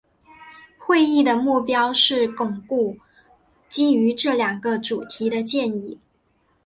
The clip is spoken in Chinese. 会议的目标是巩固基于这两个主题的建议。